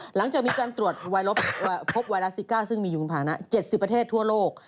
หลังจากมีการตรวจพบไวรัสซิก้าซึ่งมีอยู่คุณภานะ๗๐ประเทศทั่วโลก